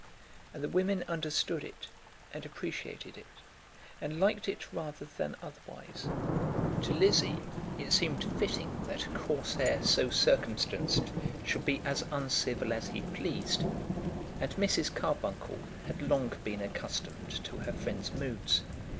And the women understood it and appreciated it, and liked it rather than otherwise. To Lizzie it seemed fitting that a Corsair so circumstanced should be as uncivil as he pleased; and Mrs. Carbuncle had long been accustomed to her friend's moods.